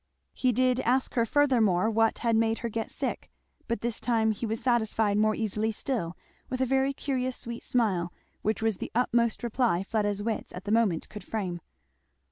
He did ask her furthermore what had made her get sick; but this time he was satisfied more easily still, with a very curious sweet smile which was the utmost reply Fleda's wits at the moment could frame.